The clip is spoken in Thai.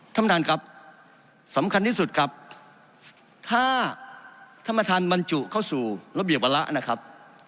ท่านประมาทครับสำคัญที่สุดถ้าธรรมธรรมจุเข้าสู่ระเบียบระนะครับ